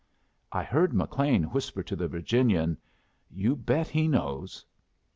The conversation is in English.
I heard McLean whisper to the Virginian, "You bet he knows."